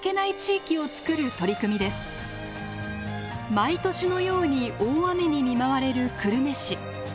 毎年のように大雨に見舞われる久留米市。